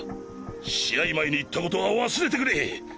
試合前に言ったことは忘れてくれ！